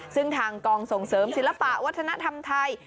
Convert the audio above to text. ซึ่งทางกองส่งเสริมศิลปะวัฒนธรรมไทย